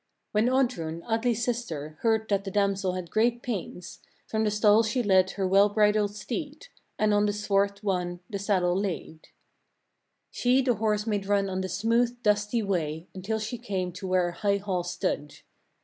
2. When Oddrun, Atli's sister, heard that the damsel had great pains, from the stall she led her well bridled steed, and on the swart one the saddle laid. 3. She the horse made run on the smooth, dusty way, until she came to where a high hall stood.